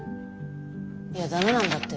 いやダメなんだって。